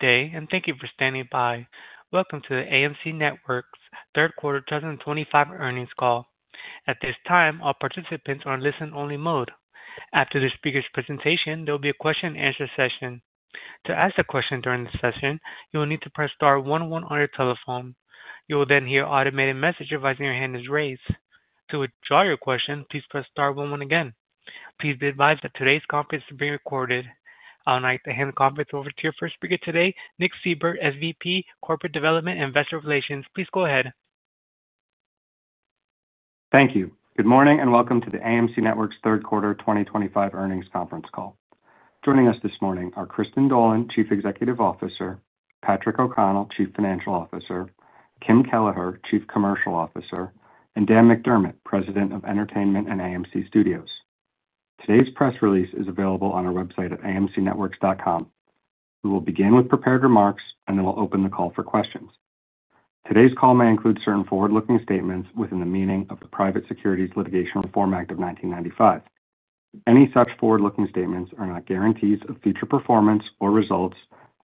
Good day, and thank you for standing by. Welcome to the AMC Networks third quarter 2025 earnings call. At this time, all participants are in listen-only mode. After the speaker's presentation, there will be a question-and-answer session. To ask a question during this session, you will need to press star one one on your telephone. You will then hear an automated message advising your hand is raised. To withdraw your question, please press star one one again. Please be advised that today's conference is being recorded. I'll now hand the conference over to your first speaker today, Nick Seibert, SVP, Corporate Development and Investor Relations. Please go ahead. Thank you. Good morning, and welcome to the AMC Networks third quarter 2025 earnings conference call. Joining us this morning are Kristin Dolan, Chief Executive Officer; Patrick O'Connell, Chief Financial Officer; Kim Kelleher, Chief Commercial Officer; and Dan McDermott, President of Entertainment and AMC Studios. Today's press release is available on our website at amcnetworks.com. We will begin with prepared remarks, and then we'll open the call for questions. Today's call may include certain forward-looking statements within the meaning of the Private Securities Litigation Reform Act of 1995. Any such forward-looking statements are not guarantees of future performance or results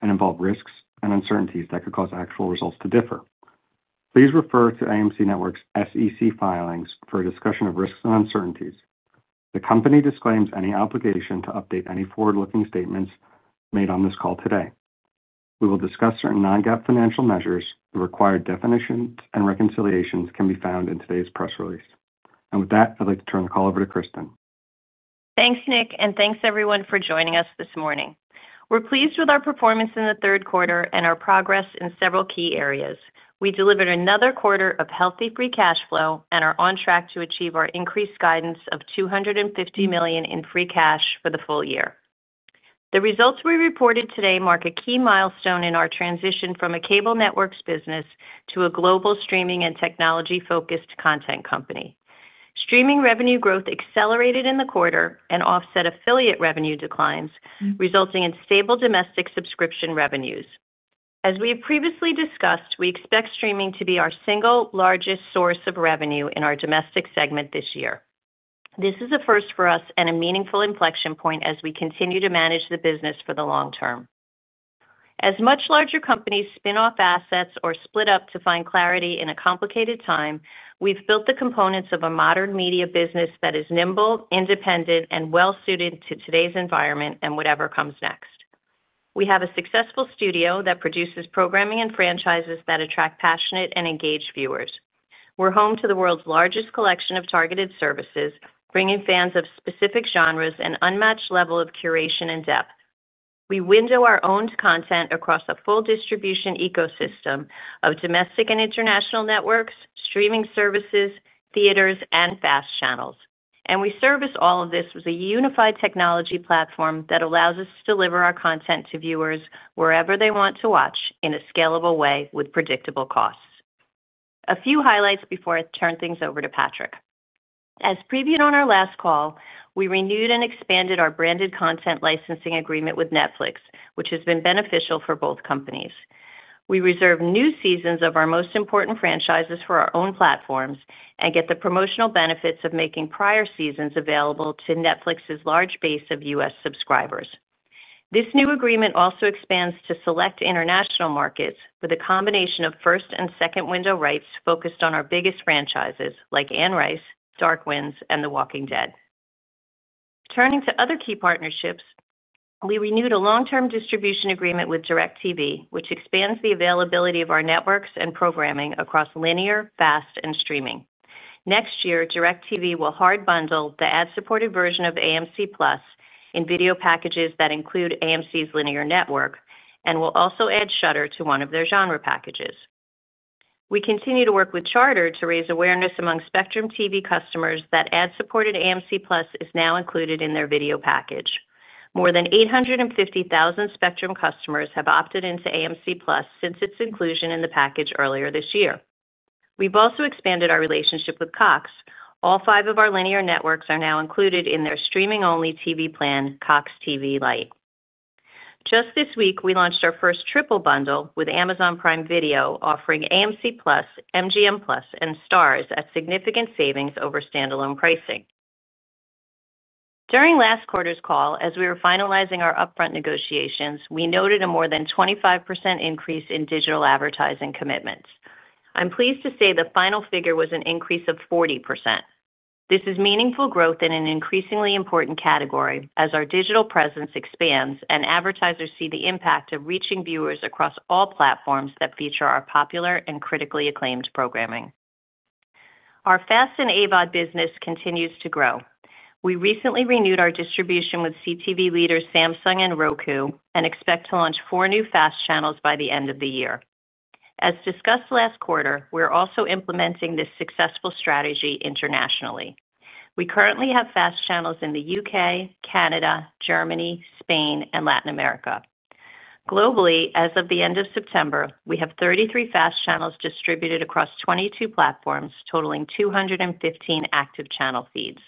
and involve risks and uncertainties that could cause actual results to differ. Please refer to AMC Networks' SEC filings for a discussion of risks and uncertainties. The company disclaims any obligation to update any forward-looking statements made on this call today. We will discuss certain non-GAAP financial measures. The required definitions and reconciliations can be found in today's press release. With that, I'd like to turn the call over to Kristin. Thanks, Nick, and thanks everyone for joining us this morning. We're pleased with our performance in the third quarter and our progress in several key areas. We delivered another quarter of healthy free cash flow and are on track to achieve our increased guidance of $250 million in free cash for the full year. The results we reported today mark a key milestone in our transition from a cable networks business to a global streaming and technology-focused content company. Streaming revenue growth accelerated in the quarter and offset affiliate revenue declines, resulting in stable domestic subscription revenues. As we have previously discussed, we expect streaming to be our single largest source of revenue in our domestic segment this year. This is a first for us and a meaningful inflection point as we continue to manage the business for the long term. As much larger companies spin off assets or split up to find clarity in a complicated time, we've built the components of a modern media business that is nimble, independent, and well-suited to today's environment and whatever comes next. We have a successful studio that produces programming and franchises that attract passionate and engaged viewers. We're home to the world's largest collection of targeted services, bringing fans of specific genres an unmatched level of curation and depth. We window our owned content across a full distribution ecosystem of domestic and international networks, streaming services, theaters, and FAST channels. We service all of this with a unified technology platform that allows us to deliver our content to viewers wherever they want to watch in a scalable way with predictable costs. A few highlights before I turn things over to Patrick. As previewed on our last call, we renewed and expanded our branded content licensing agreement with Netflix, which has been beneficial for both companies. We reserve new seasons of our most important franchises for our own platforms and get the promotional benefits of making prior seasons available to Netflix's large base of U.S. subscribers. This new agreement also expands to select international markets with a combination of first and second window rights focused on our biggest franchises like Anne Rice, Dark Winds, and The Walking Dead. Turning to other key partnerships, we renewed a long-term distribution agreement with DirecTV, which expands the availability of our networks and programming across linear, FAST, and streaming. Next year, DirecTV will hard bundle the ad-supported version of AMC+ in video packages that include AMC's linear network and will also add Shudder to one of their genre packages. We continue to work with Charter to raise awareness among Spectrum TV customers that ad-supported AMC+ is now included in their video package. More than 850,000 Spectrum customers have opted into AMC+ since its inclusion in the package earlier this year. We have also expanded our relationship with Cox. All five of our linear networks are now included in their streaming-only TV plan, Cox TV Lite. Just this week, we launched our first triple bundle with Amazon Prime Video, offering AMC+, MGM+, and Starz at significant savings over standalone pricing. During last quarter's call, as we were finalizing our upfront negotiations, we noted a more than 25% increase in digital advertising commitments. I am pleased to say the final figure was an increase of 40%. This is meaningful growth in an increasingly important category as our digital presence expands and advertisers see the impact of reaching viewers across all platforms that feature our popular and critically acclaimed programming. Our FAST and AVOD business continues to grow. We recently renewed our distribution with CTV leaders Samsung and Roku and expect to launch four new FAST channels by the end of the year. As discussed last quarter, we're also implementing this successful strategy internationally. We currently have FAST channels in the U.K., Canada, Germany, Spain, and Latin America. Globally, as of the end of September, we have 33 FAST channels distributed across 22 platforms, totaling 215 active channel feeds.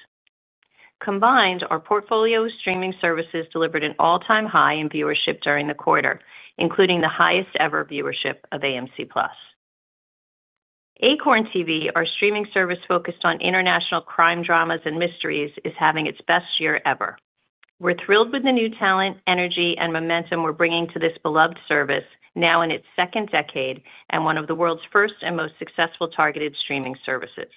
Combined, our portfolio of streaming services delivered an all-time high in viewership during the quarter, including the highest-ever viewership of AMC+. Acorn TV, our streaming service focused on international crime dramas and mysteries, is having its best year ever. We're thrilled with the new talent, energy, and momentum we're bringing to this beloved service, now in its second decade and one of the world's first and most successful targeted streaming services.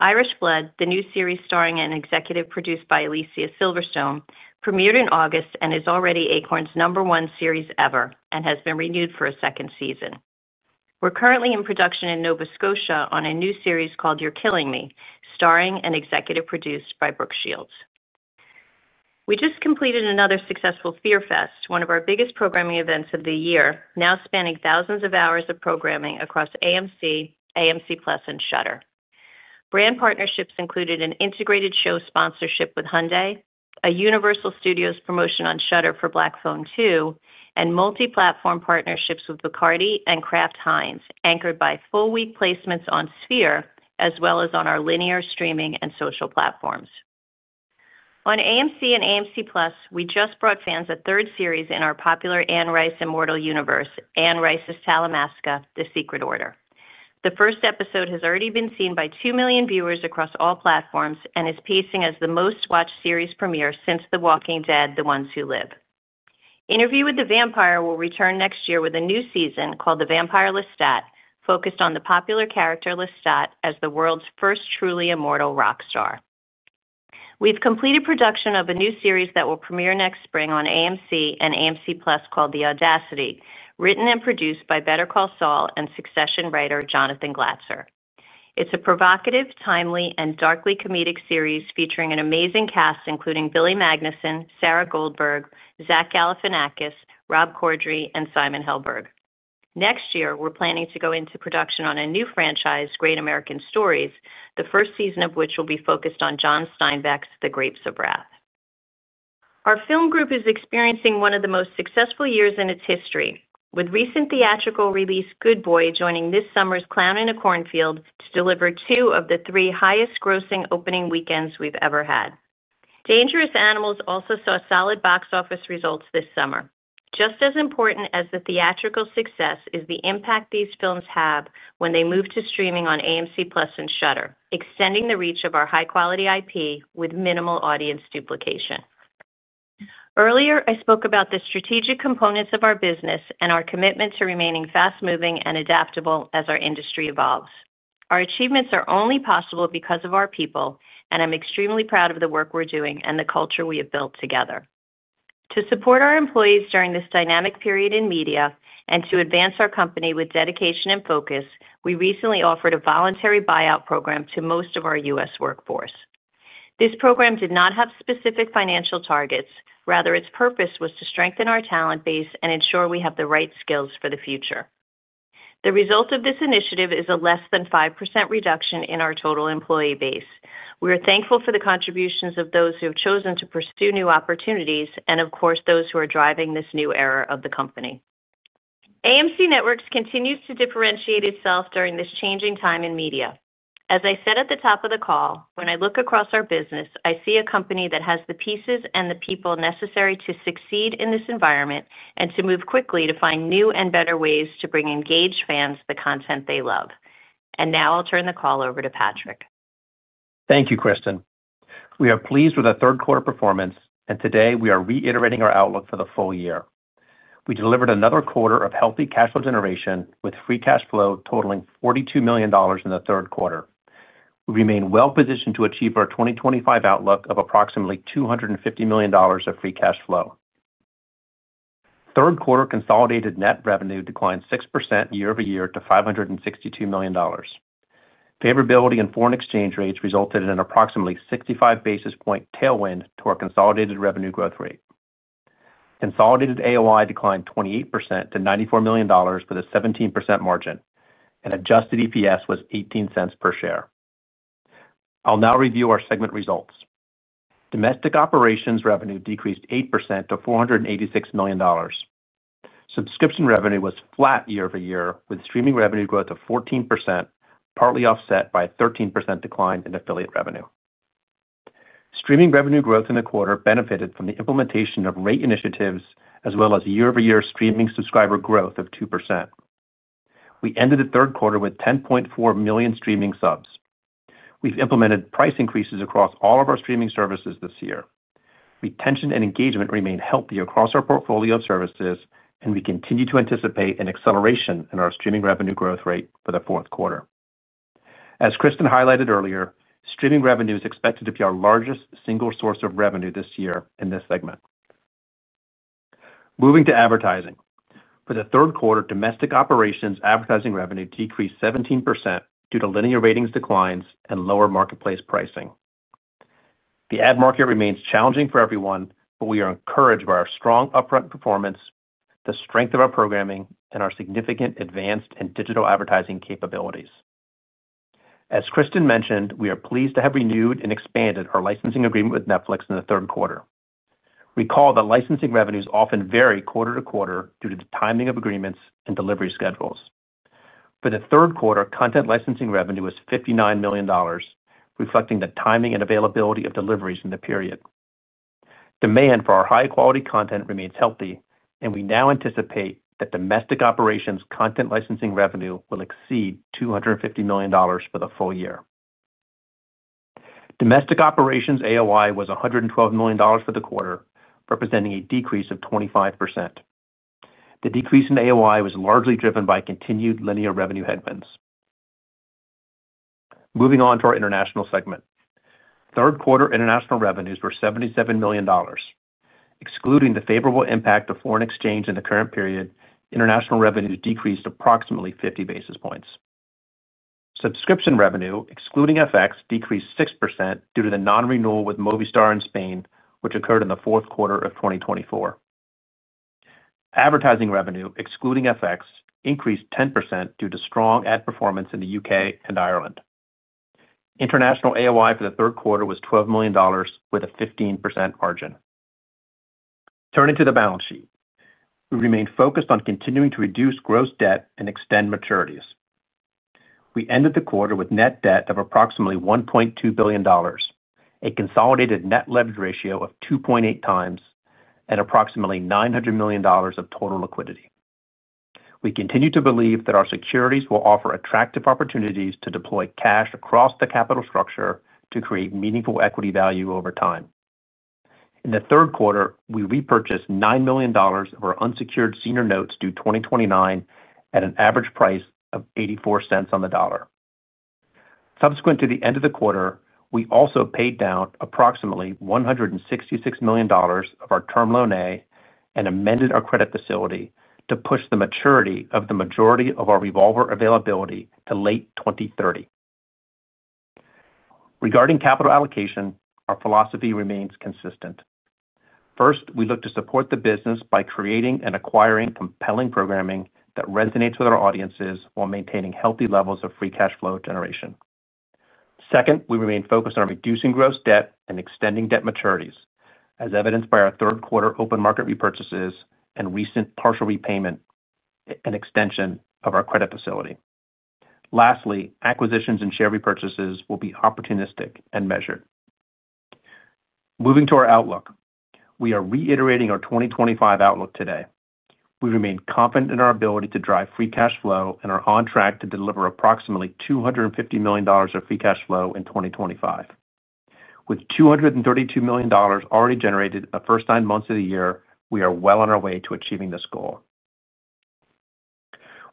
Irish Blood, the new series starring and executive produced by Alicia Silverstone, premiered in August and is already Acorn's number one series ever and has been renewed for a second season. We're currently in production in Nova Scotia on a new series called You're Killing Me, starring and executive produced by Brooke Shields. We just completed another successful Fear Fest, one of our biggest programming events of the year, now spanning thousands of hours of programming across AMC, AMC+, and Shudder. Brand partnerships included an integrated show sponsorship with Hyundai, a Universal Studios promotion on Shudder for Black Phone 2, and multi-platform partnerships with Bacardi and Kraft Heinz, anchored by full-week placements on Sphere as well as on our linear, streaming, and social platforms. On AMC and AMC+, we just brought fans a third series in our popular Anne Rice Immortal Universe, Anne Rice's Talamasca: The Secret Order. The first episode has already been seen by 2 million viewers across all platforms and is pacing as the most-watched series premiere since The Walking Dead: The Ones Who Live. Interview with the Vampire will return next year with a new season called The Vampire Lestat, focused on the popular character Lestat as the world's first truly immortal rock star. We've completed production of a new series that will premiere next spring on AMC and AMC+ called The Audacity, written and produced by Better Call Saul and Succession writer Jonathan Glatzer. It's a provocative, timely, and darkly comedic series featuring an amazing cast including Billy Magnussen, Sarah Goldberg, Zach Galifianakis, Rob Corddry, and Simon Helberg. Next year, we're planning to go into production on a new franchise, Great American Stories, the first season of which will be focused on John Steinbeck's The Grapes of Wrath. Our film group is experiencing one of the most successful years in its history, with recent theatrical release Good Boy joining this summer's Clown in a Cornfield to deliver two of the three highest-grossing opening weekends we've ever had. Dangerous Animals also saw solid box office results this summer. Just as important as the theatrical success is the impact these films have when they move to streaming on AMC+ and Shudder, extending the reach of our high-quality IP with minimal audience duplication. Earlier, I spoke about the strategic components of our business and our commitment to remaining fast-moving and adaptable as our industry evolves. Our achievements are only possible because of our people, and I'm extremely proud of the work we're doing and the culture we have built together. To support our employees during this dynamic period in media and to advance our company with dedication and focus, we recently offered a voluntary buyout program to most of our U.S. workforce. This program did not have specific financial targets. Rather, its purpose was to strengthen our talent base and ensure we have the right skills for the future. The result of this initiative is a less than 5% reduction in our total employee base. We are thankful for the contributions of those who have chosen to pursue new opportunities and, of course, those who are driving this new era of the company. AMC Networks continues to differentiate itself during this changing time in media. As I said at the top of the call, when I look across our business, I see a company that has the pieces and the people necessary to succeed in this environment and to move quickly to find new and better ways to bring engaged fans the content they love. Now I'll turn the call over to Patrick. Thank you, Kristin. We are pleased with our third quarter performance, and today we are reiterating our outlook for the full year. We delivered another quarter of healthy cash flow generation with free cash flow totaling $42 million in the third quarter. We remain well-positioned to achieve our 2025 outlook of approximately $250 million of free cash flow. Third quarter consolidated net revenue declined 6% year-over-year to $562 million. Favorability in foreign exchange rates resulted in an approximately 65 basis point tailwind to our consolidated revenue growth rate. Consolidated AOI declined 28% to $94 million with a 17% margin, and Adjusted EPS was $0.18 per share. I'll now review our segment results. Domestic operations revenue decreased 8% to $486 million. Subscription revenue was flat year-over-year with streaming revenue growth of 14%, partly offset by a 13% decline in affiliate revenue. Streaming revenue growth in the quarter benefited from the implementation of rate initiatives as well as year-over-year streaming subscriber growth of 2%. We ended the third quarter with 10.4 million streaming subs. We've implemented price increases across all of our streaming services this year. Retention and engagement remain healthy across our portfolio of services, and we continue to anticipate an acceleration in our streaming revenue growth rate for the fourth quarter. As Kristin highlighted earlier, streaming revenue is expected to be our largest single source of revenue this year in this segment. Moving to advertising. For the third quarter, domestic operations advertising revenue decreased 17% due to linear ratings declines and lower marketplace pricing. The ad market remains challenging for everyone, but we are encouraged by our strong upfront performance, the strength of our programming, and our significant advanced and digital advertising capabilities. As Kristin mentioned, we are pleased to have renewed and expanded our licensing agreement with Netflix in the third quarter. Recall that licensing revenues often vary quarter to quarter due to the timing of agreements and delivery schedules. For the third quarter, content licensing revenue was $59 million, reflecting the timing and availability of deliveries in the period. Demand for our high-quality content remains healthy, and we now anticipate that domestic operations content licensing revenue will exceed $250 million for the full year. Domestic operations AOI was $112 million for the quarter, representing a decrease of 25%. The decrease in AOI was largely driven by continued linear revenue headwinds. Moving on to our international segment. Third quarter international revenues were $77 million. Excluding the favorable impact of foreign exchange in the current period, international revenues decreased approximately 50 basis points. Subscription revenue, excluding FX, decreased 6% due to the non-renewal with Movistar in Spain, which occurred in the fourth quarter of 2024. Advertising revenue, excluding FX, increased 10% due to strong ad performance in the U.K. and Ireland. International AOI for the third quarter was $12 million with a 15% margin. Turning to the balance sheet, we remain focused on continuing to reduce gross debt and extend maturities. We ended the quarter with net debt of approximately $1.2 billion, a consolidated net leverage ratio of 2.8x, and approximately $900 million of total liquidity. We continue to believe that our securities will offer attractive opportunities to deploy cash across the capital structure to create meaningful equity value over time. In the third quarter, we repurchased $9 million of our unsecured senior notes due 2029 at an average price of $0.84 on the dollar. Subsequent to the end of the quarter, we also paid down approximately $166 million of our term loan A and amended our credit facility to push the maturity of the majority of our revolver availability to late 2030. Regarding capital allocation, our philosophy remains consistent. First, we look to support the business by creating and acquiring compelling programming that resonates with our audiences while maintaining healthy levels of free cash flow generation. Second, we remain focused on reducing gross debt and extending debt maturities, as evidenced by our third quarter open market repurchases and recent partial repayment and extension of our credit facility. Lastly, acquisitions and share repurchases will be opportunistic and measured. Moving to our outlook, we are reiterating our 2025 outlook today. We remain confident in our ability to drive free cash flow and are on track to deliver approximately $250 million of free cash flow in 2025. With $232 million already generated the first nine months of the year, we are well on our way to achieving this goal.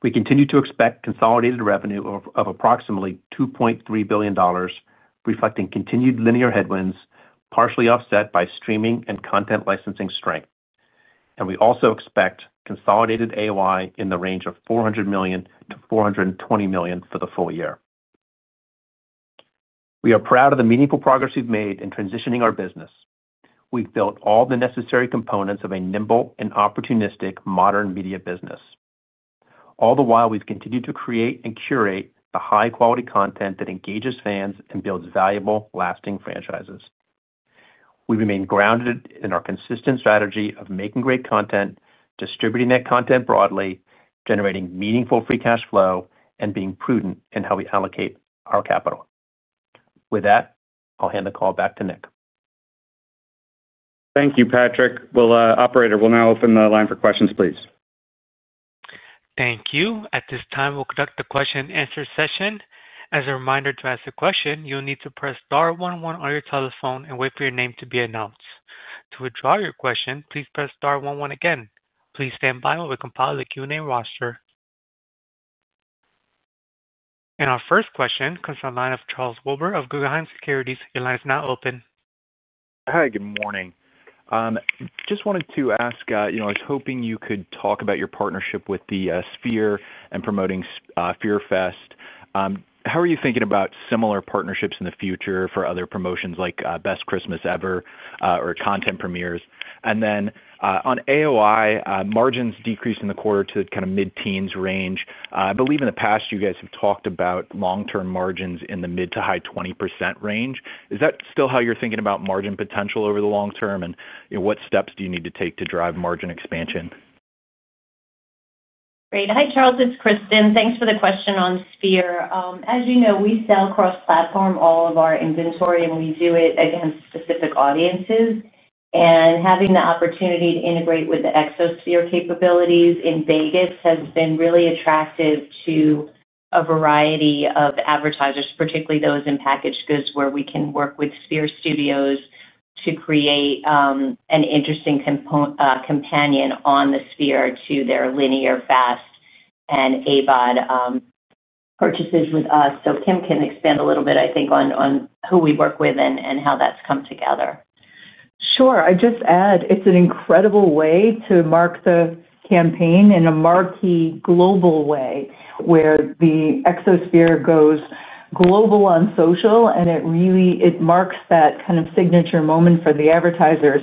We continue to expect consolidated revenue of approximately $2.3 billion, reflecting continued linear headwinds, partially offset by streaming and content licensing strength. We also expect consolidated AOI in the range of $400 million-$420 million for the full year. We are proud of the meaningful progress we've made in transitioning our business. We've built all the necessary components of a nimble and opportunistic modern media business. All the while, we've continued to create and curate the high-quality content that engages fans and builds valuable, lasting franchises. We remain grounded in our consistent strategy of making great content, distributing that content broadly, generating meaningful free cash flow, and being prudent in how we allocate our capital. With that, I'll hand the call back to Nick. Thank you, Patrick. Operator, we'll now open the line for questions, please. Thank you. At this time, we'll conduct the question-and-answer session. As a reminder to ask a question, you'll need to press star one one on your telephone and wait for your name to be announced. To withdraw your question, please press star one one again. Please stand by while we compile the Q&A roster. Our first question comes from the line of Charles Wilber of Guggenheim Securities. Your line is now open. Hi, good morning. Just wanted to ask, I was hoping you could talk about your partnership with the Sphere and promoting Fear Fest. How are you thinking about similar partnerships in the future for other promotions like Best Christmas Ever or content premieres? On AOI, margins decreased in the quarter to kind of mid-teens range. I believe in the past you guys have talked about long-term margins in the mid to high 20% range. Is that still how you're thinking about margin potential over the long term, and what steps do you need to take to drive margin expansion? Great. Hi, Charles. It's Kristin. Thanks for the question on Sphere. As you know, we sell cross-platform all of our inventory, and we do it against specific audiences. Having the opportunity to integrate with the ExoSphere capabilities in Las Vegas has been really attractive to a variety of advertisers, particularly those in packaged goods where we can work with Sphere Studios to create an interesting companion on the Sphere to their linear FAST and AVOD purchases with us. Kim can expand a little bit, I think, on who we work with and how that's come together. Sure. I'd just add it's an incredible way to mark the campaign in a marquee global way where the ExoSphere goes global on social, and it really marks that kind of signature moment for the advertiser.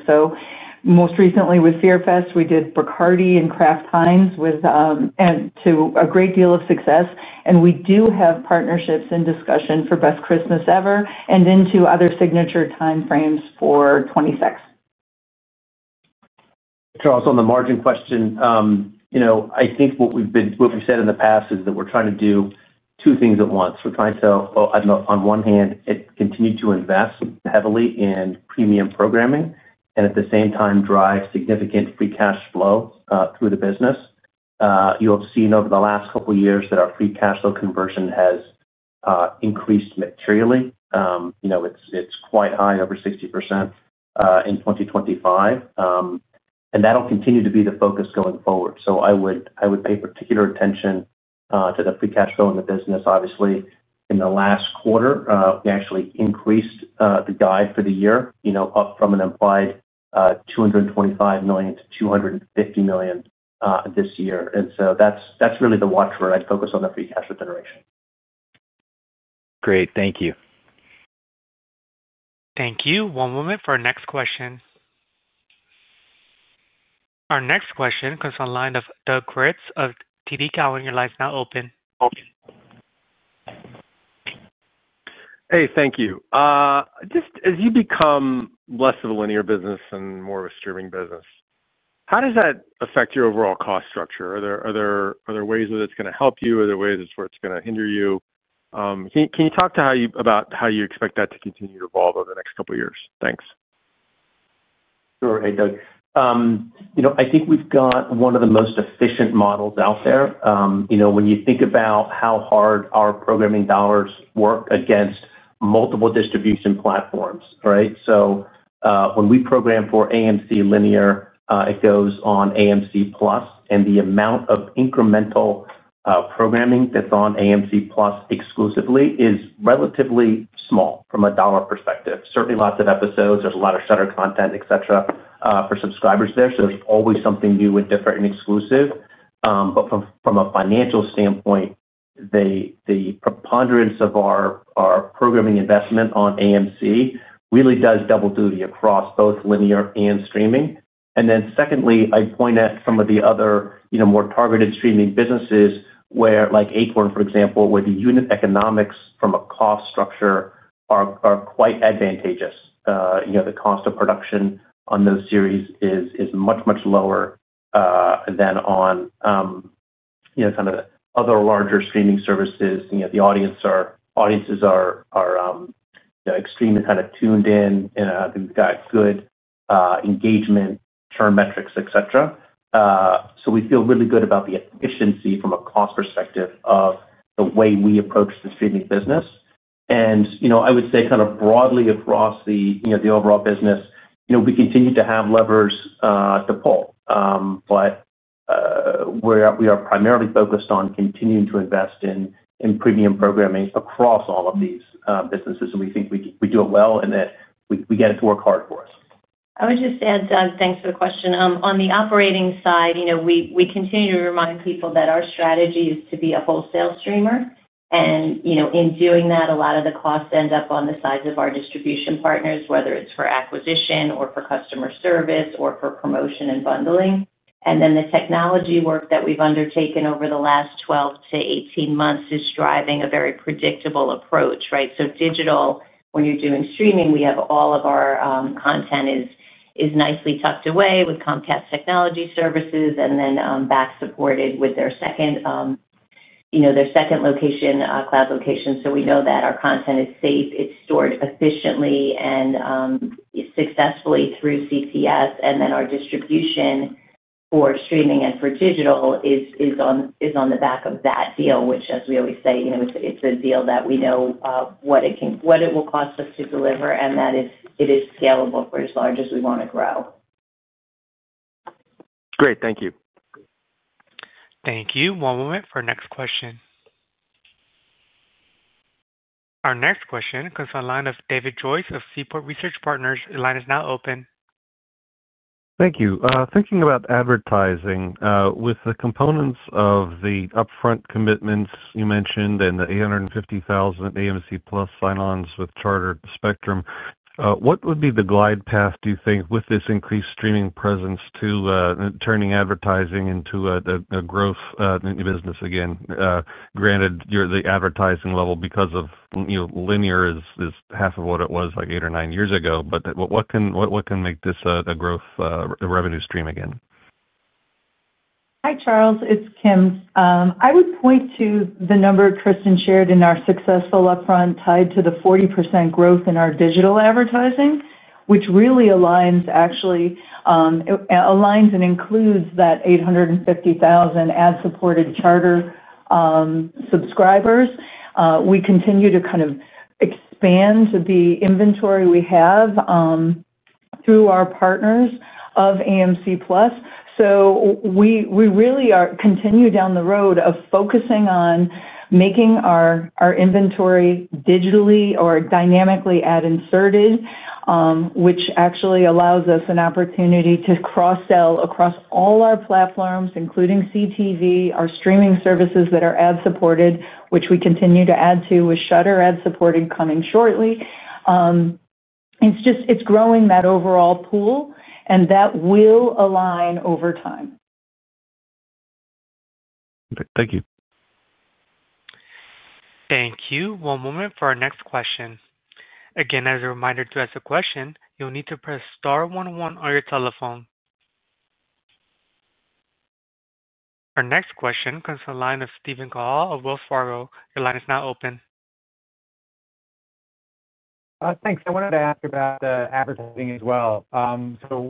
Most recently with Fear Fest, we did Bacardi and Kraft Heinz to a great deal of success. We do have partnerships in discussion for Best Christmas Ever and into other signature timeframes for 2026. Charles, on the margin question, I think what we've said in the past is that we're trying to do two things at once. We're trying to, on one hand, continue to invest heavily in premium programming and at the same time drive significant free cash flow through the business. You'll have seen over the last couple of years that our free cash flow conversion has increased materially. It's quite high, over 60% in 2025, and that'll continue to be the focus going forward. I would pay particular attention to the free cash flow in the business. Obviously, in the last quarter, we actually increased the guide for the year up from an implied $225 million to $250 million this year. That's really the watch where I'd focus on the free cash flow generation. Great. Thank you. Thank you. One moment for our next question. Our next question comes from the line of Doug Creutz of TD Cowen, your line is now open. Hey, thank you. Just as you become less of a linear business and more of a streaming business, how does that affect your overall cost structure? Are there ways that it's going to help you? Are there ways where it's going to hinder you? Can you talk to how you expect that to continue to evolve over the next couple of years? Thanks. Sure, hey, Doug. I think we've got one of the most efficient models out there. When you think about how hard our programming dollars work against multiple distribution platforms, right? When we program for AMC Linear, it goes on AMC+, and the amount of incremental programming that's on AMC+ exclusively is relatively small from a dollar perspective. Certainly, lots of episodes. There's a lot of Shudder content, etc., for subscribers there. There's always something new and different and exclusive. From a financial standpoint, the preponderance of our programming investment on AMC really does double duty across both linear and streaming. Secondly, I'd point at some of the other more targeted streaming businesses where like Acorn, for example, where the unit economics from a cost structure are quite advantageous. The cost of production on those series is much, much lower than on kind of other larger streaming services. The audiences are extremely kind of tuned in, and we've got good engagement, churn metrics, etc. We feel really good about the efficiency from a cost perspective of the way we approach the streaming business. I would say kind of broadly across the overall business, we continue to have levers to pull, but we are primarily focused on continuing to invest in premium programming across all of these businesses. We think we do it well and that we get it to work hard for us. I would just add, Doug, thanks for the question. On the operating side, we continue to remind people that our strategy is to be a wholesale streamer. In doing that, a lot of the costs end up on the sides of our distribution partners, whether it's for acquisition or for customer service or for promotion and bundling. The technology work that we've undertaken over the last 12 to 18 months is driving a very predictable approach, right? Digital, when you're doing streaming, we have all of our content is nicely tucked away with Comcast Technology Services and then back supported with their second location, cloud location. We know that our content is safe, it's stored efficiently and successfully through CTS. Our distribution for streaming and for digital is on the back of that deal, which, as we always say, it's a deal that we know what it will cost us to deliver, and that it is scalable for as large as we want to grow. Great. Thank you. Thank you. One moment for our next question. Our next question comes from the line of David Joyce of Seaport Research Partners. The line is now open. Thank you. Thinking about advertising, with the components of the upfront commitments you mentioned and the 850,000 AMC+ sign-ons with Charter Spectrum, what would be the glide path, do you think, with this increased streaming presence to turning advertising into a growth business again? Granted, the advertising level because of linear is half of what it was like eight or nine years ago, but what can make this a growth revenue stream again? Hi, Charles. It's Kim. I would point to the number Kristin shared in our successful upfront tied to the 40% growth in our digital advertising, which really aligns and includes that 850,000 ad-supported Charter subscribers. We continue to kind of expand the inventory we have through our partners of AMC+. We really continue down the road of focusing on making our inventory digitally or dynamically ad-inserted, which actually allows us an opportunity to cross-sell across all our platforms, including CTV, our streaming services that are ad-supported, which we continue to add to with Shudder ad-supported coming shortly. It's growing that overall pool, and that will align over time. Thank you. Thank you. One moment for our next question. Again, as a reminder to ask a question, you'll need to press star one one on your telephone. Our next question comes from the line of Steven Cahall of Wells Fargo. Your line is now open. Thanks. I wanted to ask about the advertising as well.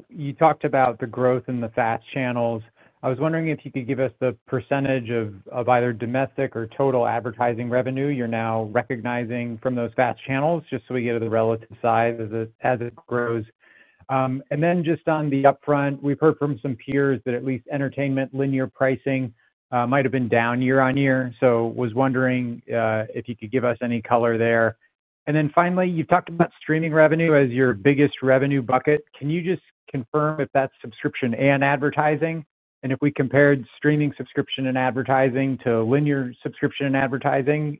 You talked about the growth in the fast channels. I was wondering if you could give us the percentage of either domestic or total advertising revenue you're now recognizing from those fast channels, just so we get to the relative size as it grows. Just on the upfront, we've heard from some peers that at least entertainment linear pricing might have been down year on year. I was wondering if you could give us any color there. Finally, you've talked about streaming revenue as your biggest revenue bucket. Can you just confirm if that's subscription and advertising? If we compared streaming subscription and advertising to linear subscription and advertising,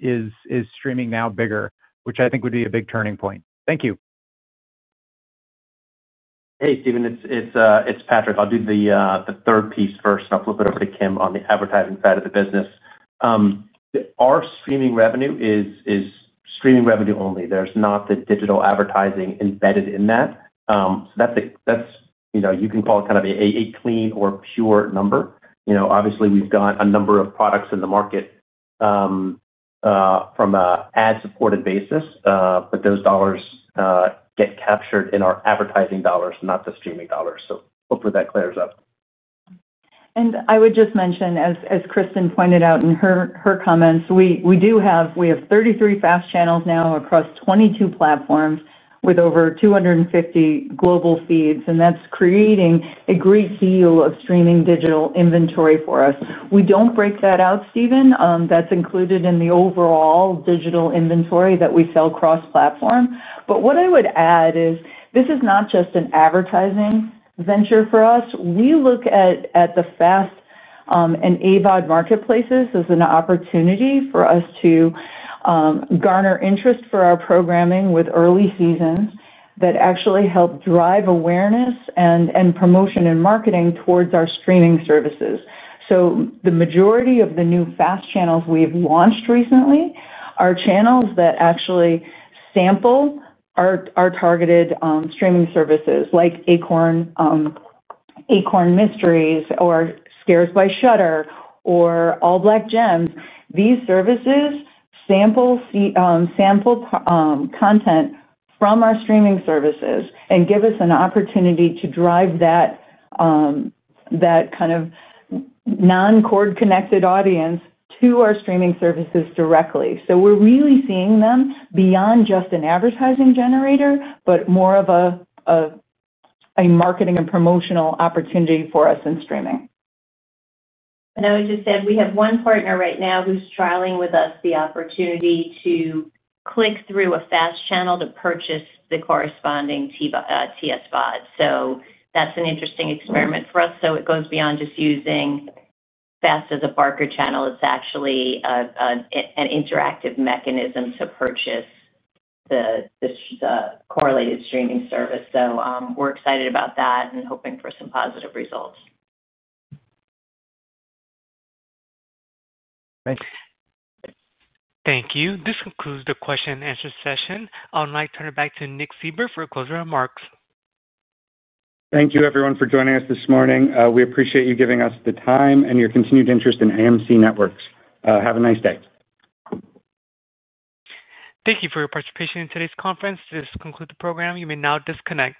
is streaming now bigger, which I think would be a big turning point? Thank you. Hey, Steven. It's Patrick. I'll do the third piece first. I'll flip it over to Kim on the advertising side of the business. Our streaming revenue is streaming revenue only. There's not the digital advertising embedded in that. You can call it kind of a clean or pure number. Obviously, we've got a number of products in the market from an ad-supported basis, but those dollars get captured in our advertising dollars, not the streaming dollars. Hopefully that clears up. I would just mention, as Kristin pointed out in her comments, we have 33 FAST channels now across 22 platforms with over 250 global feeds, and that's creating a great deal of streaming digital inventory for us. We do not break that out, Stephen. That is included in the overall digital inventory that we sell cross-platform. What I would add is this is not just an advertising venture for us. We look at the FAST and AVOD marketplaces as an opportunity for us to garner interest for our programming with early seasons that actually help drive awareness and promotion and marketing towards our streaming services. The majority of the new FAST channels we have launched recently are channels that actually sample our targeted streaming services like Acorn Mysteries or Scares by Shudder or Allblk Gems. These services sample content from our streaming services and give us an opportunity to drive that kind of non-cord-connected audience to our streaming services directly. We are really seeing them beyond just an advertising generator, but more of a marketing and promotional opportunity for us in streaming. I would just add we have one partner right now who's trialing with us the opportunity to click through a FAST channel to purchase the corresponding TVOD. That is an interesting experiment for us. It goes beyond just using FAST as a barker channel. It is actually an interactive mechanism to purchase the correlated streaming service. We are excited about that and hoping for some positive results. Thank you. This concludes the question-and-answer session. I'll now turn it back to Nick Seibert for closing remarks. Thank you, everyone, for joining us this morning. We appreciate you giving us the time and your continued interest in AMC Networks. Have a nice day. Thank you for your participation in today's conference. This concludes the program. You may now disconnect.